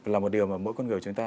là một điều mà mỗi con người chúng ta